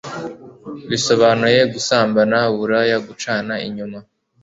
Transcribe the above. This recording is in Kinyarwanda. bisobanuye gusambana, uburaya, gucana inyuma